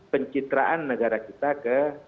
pencitraan negara kita ke